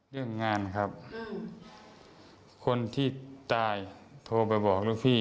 เรื่องงานครับคนที่ตายโทรไปบอกลูกพี่